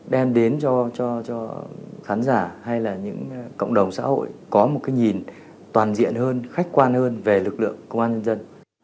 đem đến cho khán giả hay là những cộng đồng xã hội có một cái nhìn toàn diện hơn khách quan hơn về lực lượng công an nhân dân